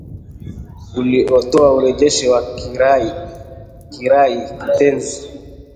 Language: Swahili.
uliotoa urejeshi na kirai kitenzi